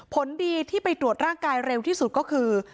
ผลดีที่ไปตรวจร่างกายเร็วที่สุดก็คือ